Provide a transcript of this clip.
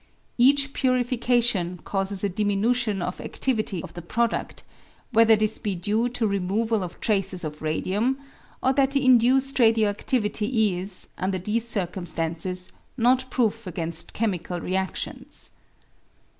Each purification causes a diminution of aftivity of the produd, whether this be due to removal of traces of radium or that the induced radio adivity is, under these circumstances, not proof against chemical reactions.